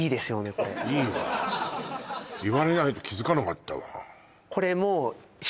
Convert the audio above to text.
これいいわ言われないと気づかなかったわ